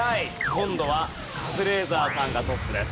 今度はカズレーザーさんがトップです。